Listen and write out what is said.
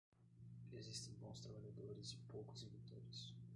Existem bons trabalhadores e poucos inventores.